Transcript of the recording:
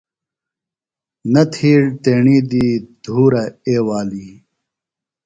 نہ تِھیڑ تیݨی دی دُھورہ اے والی۔